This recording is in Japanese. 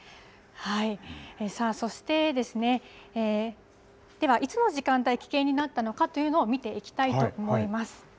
そして、ではいつの時間帯、危険になったのかというのを見ていきたいと思います。